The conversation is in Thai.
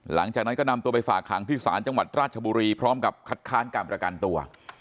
หลังจากนั้นก็นำตัวไปฝากขังที่ศาลจังหวัดราชบุรีพร้อมกับคัดค้านการประกันตัว